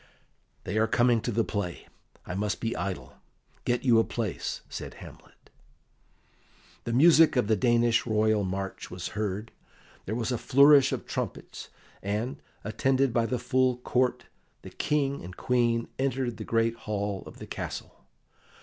"They are coming to the play; I must be idle. Get you a place," said Hamlet. The music of the Danish royal march was heard, there was a flourish of trumpets, and, attended by the full Court, the King and Queen entered the great hall of the castle.